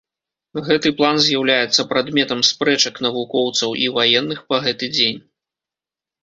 Гэты план з'яўляецца прадметам спрэчак навукоўцаў і ваенных па гэты дзень.